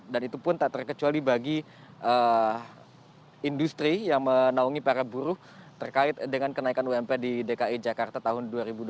dan itu pun tak terkecuali bagi industri yang menaungi para buruh terkait dengan kenaikan ump di dki jakarta tahun dua ribu dua puluh satu